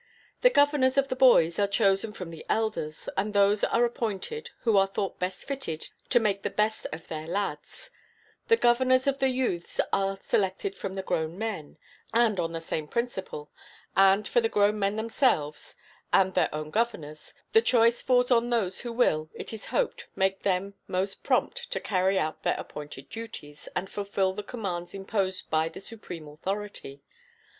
The governors of the boys are chosen from the elders, and those are appointed who are thought best fitted to make the best of their lads: the governors of the youths are selected from the grown men, and on the same principle; and for the grown men themselves and their own governors; the choice falls on those who will, it is hoped, make them most prompt to carry out their appointed duties, and fulfil the commands imposed by the supreme authority.